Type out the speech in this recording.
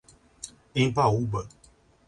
Embaúba